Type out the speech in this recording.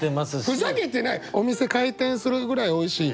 お店開店するぐらい美味しい。